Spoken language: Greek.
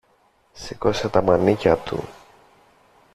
σήκωσε τα μανίκια του